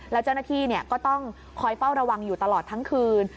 แล้วเจ้าหน้าที่ก็ต้องคอยเฝ้าระวังอยู่ตลอดทั้งคืน